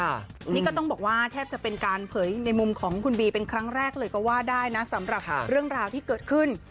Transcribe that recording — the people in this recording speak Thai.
นี่ก็ต้องบอกว่าแทบจะเป็นการเผยในมุมของคุณบีเป็นครั้งแรกเลยก็ว่าได้นะสำหรับเรื่องราวที่เกิดขึ้น